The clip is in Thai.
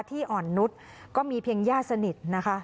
ที่อ่อนนุษย์ก็มีเพียงญาติสนิทนะคะ